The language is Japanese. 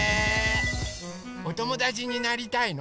おともだちになりたいの？